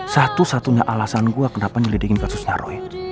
satu satunya alasan gue kenapa nyelidikin kasusnya roy